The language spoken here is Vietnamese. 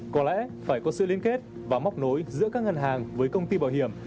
có lẽ phải có sự liên kết và móc nối giữa các ngân hàng với công ty bảo hiểm